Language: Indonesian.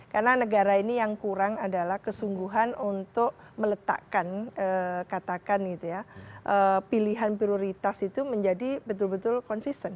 karena negara ini yang kurang adalah kesungguhan untuk meletakkan katakan gitu ya pilihan prioritas itu menjadi betul betul konsisten